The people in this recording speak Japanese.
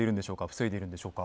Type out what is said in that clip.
防いでいるんでしょうか。